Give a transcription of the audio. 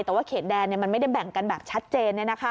แต่ว่าเขตแดนมันไม่ได้แบ่งกันแบบชัดเจน